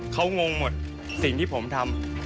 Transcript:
เขางงหมดสิ่งที่ผมทำ